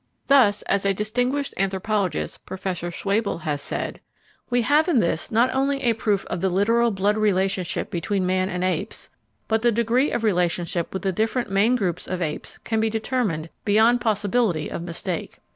Thus, as a distinguished anthropologist, Professor Schwalbe, has said: "We have in this not only a proof of the literal blood relationship between man and apes, but the degree of relationship with the different main groups of apes can be determined beyond possibility of mistake."